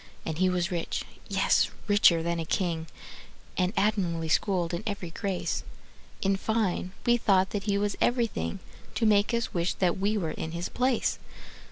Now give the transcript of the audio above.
And he was rich, yes, richer than a king, And admirably schooled in every grace: In fine, we thought that he was everything To make us wish that we were in his place.